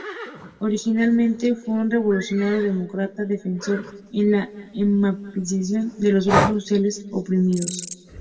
Originariamente, fue un revolucionario demócrata defensor de la emancipación de los grupos sociales oprimidos.